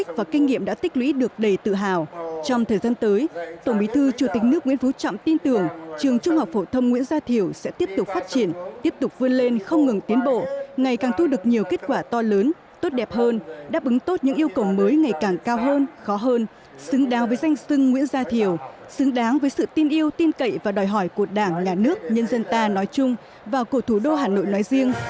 tổng bí thư chủ tịch nước nguyễn phú trọng tin tưởng trường trung học phổ thông nguyễn gia thiều sẽ tiếp tục phát triển tiếp tục vươn lên không ngừng tiến bộ ngày càng thu được nhiều kết quả to lớn tốt đẹp hơn đáp ứng tốt những yêu cầu mới ngày càng cao hơn khó hơn xứng đáng với danh sưng nguyễn gia thiều xứng đáng với sự tin yêu tin cậy và đòi hỏi của đảng nhà nước nhân dân ta nói chung và cổ thủ đô hà nội nói riêng